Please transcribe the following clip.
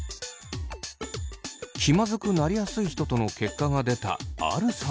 気まずくなりやすい人との結果が出たアルさんは。